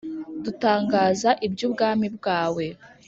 Dutangaza iby Ubwami bwawe